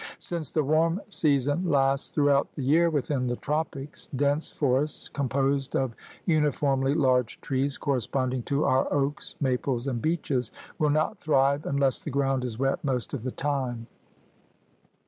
Since the warm season lasts throughout the year within the tropics, dense forests composed of uniformly large trees corre sponding to our oaks, maples, and beeches will not thrive unless the ground is wet most of the time.